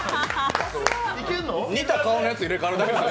似た顔のやつ入れ代わるだけですよ。